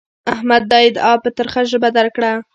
احمد دا ادعا په ترخه ژبه رد کړه.